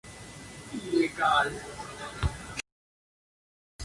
Los seiyū de la primera temporada conservaron sus funciones.